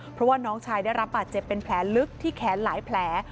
เพราะว่าน้องชายได้รับบาดเจ็บเป็นแผลลึกที่แขนหลายแผล